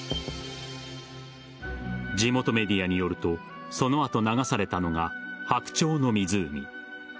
地元メディアによるとその後、流されたのが「白鳥の湖」